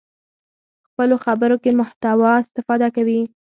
خپلو خبرو کې محتوا استفاده کوي.